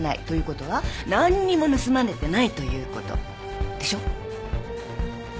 ということは何にも盗まれてないということ。でしょ？